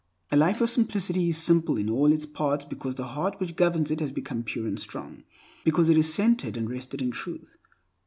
A life of simplicity is simple in all its parts because the heart which governs it has become pure and strong; because it is centered and rested in Truth.